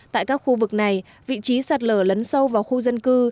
tại các khu vực này vị trí sạt lở lấn sâu vào khu dân cư